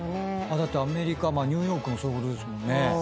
だってアメリカニューヨークもそういうことですもんね。